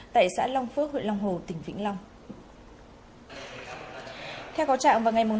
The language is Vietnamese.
tại xã long phước huyện long hồ tỉnh vĩnh long